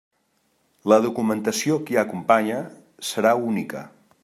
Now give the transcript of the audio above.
La documentació que hi acompanye serà única.